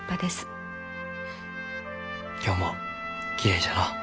今日もきれいじゃのう。